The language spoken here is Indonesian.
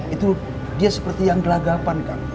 itu dia seperti yang gelagapan kan